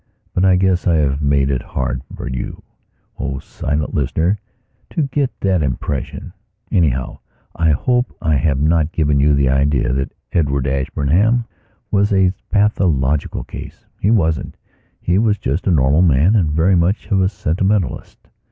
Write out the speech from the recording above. But I guess I have made it hard for you, O silent listener, to get that impression. Anyhow, I hope I have not given you the idea that Edward Ashburnham was a pathological case. He wasn't. He was just a normal man and very much of a sentimentalist.